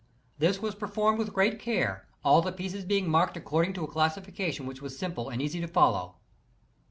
This was performed j I t i with great care, all the pieces being marked according tc a classification which was simple and easy to follow.